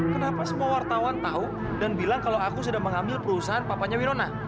kenapa semua wartawan tahu dan bilang kalau aku sedang mengambil perusahaan papanya winona